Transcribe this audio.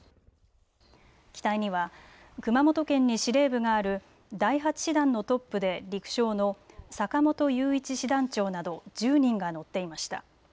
機体には熊本県に司令部がある第８師団のトップで陸将の坂本雄一師団長など１０人が乗っていました。